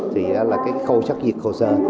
thì là cái khâu sắc diệt khâu sơ